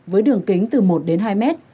với đường kính từ một đến hai mét